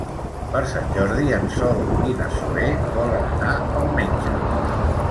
Per Sant Jordi en Sol i na Zoè volen anar al metge.